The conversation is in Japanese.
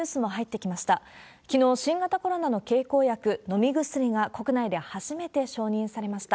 きのう、新型コロナの経口薬、飲み薬が国内で初めて承認されました。